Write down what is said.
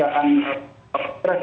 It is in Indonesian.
artinya momentum sambung